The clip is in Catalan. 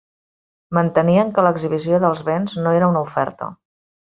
Mantenien que l'exhibició dels béns no era una oferta.